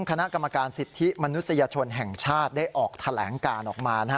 คณะกรรมการสิทธิมนุษยชนแห่งชาติได้ออกแถลงการออกมานะฮะ